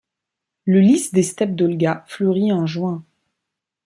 Le lis des steppes d'Olga fleurit en juin.